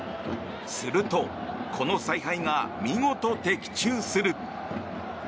するとこの采配が見事、的中する。